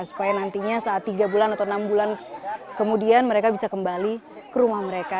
supaya nantinya saat tiga bulan atau enam bulan kemudian mereka bisa kembali ke rumah mereka